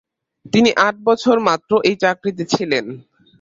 তিনি আট বছর মাত্র এই চাকরিতে ছিলেন।